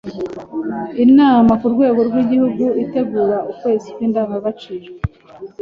Inama ku rwego rw’Igihugu itegura ukwezikw’indangagaciro;